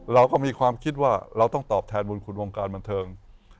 เราก็มีความคิดว่าเราต้องตอบแทนบุญคุณวงการบันเทิง